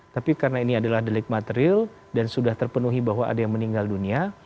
tapi karena ini adalah delik material dan sudah terpenuhi bahwa ada yang meninggal dunia